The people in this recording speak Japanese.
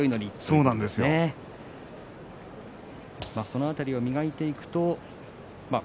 その辺りを磨いていくと。